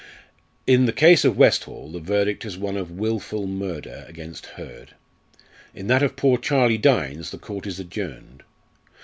"In the case of Westall the verdict is one of 'Wilful Murder' against Hurd. In that of poor Charlie Dynes the court is adjourned.